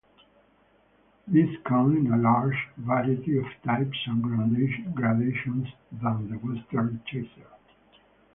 These come in a larger variety of types and gradations than the Western chisel.